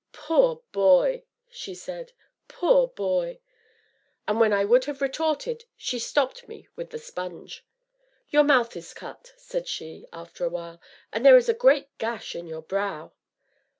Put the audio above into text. "Poor boy!" said she, "poor boy!" And, when I would have retorted, she stopped me with the sponge. "Your mouth is cut," said she, after a while, "and there is a great gash in your brow."